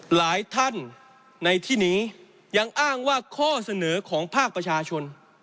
หลายท่านในที่นี้ยังอ้างว่าข้อเสนอของภาคประชาชน